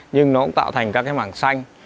nhưng nó cũng tạo thành các mảng xanh